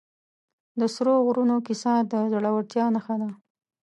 د سرو غرونو کیسه د زړورتیا نښه ده.